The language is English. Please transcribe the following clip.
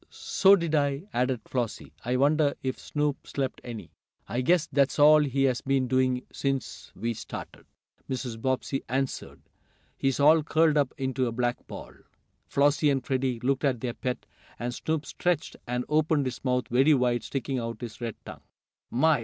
"So did I," added Flossie. "I wonder if Snoop slept any?" "I guess that's all he has been doing since we started," Mrs. Bobbsey answered. "He's all curled up into a black ball." Flossie and Freddie looked at their pet, and Snoop stretched, and opened his mouth very wide, sticking out his red tongue. "My!